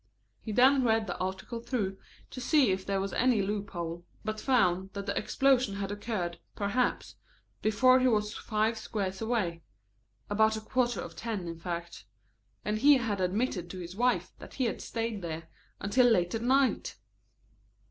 _ He then read the article through to see if there was any loop hole, but found that the explosion had occurred, perhaps, before he was five squares away about a quarter of ten, in fact. And he had admitted to his wife that he had stayed there until late at night!